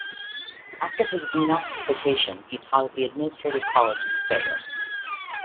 After his 'denazification' he taught at the administrative college in Speyer.